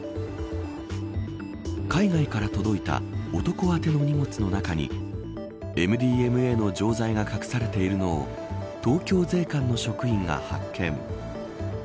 海外から届いた男宛ての荷物の中にМＤМＡの錠剤が隠されているのを東京税関の職員が発見。